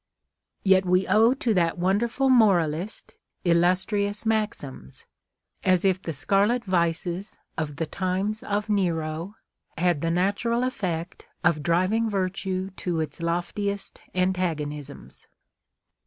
Yet we owe to that wonderful moralist illustrious maxims ; as if the scar let vices of the times of Nero had the natural effect of driving virtue to its loftiest antagonisms.